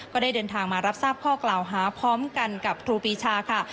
ก็ได้เดินทางมารับทราบข้อกล่าวหาพร้อมกันกับครูปีชาค่ะ